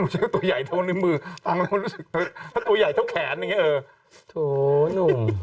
ใช้โทรใหญ่เท่านิ้วมือตัวใหญ่เท่าแขน